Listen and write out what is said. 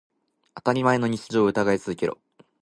当たり前の日常を疑い続けろ。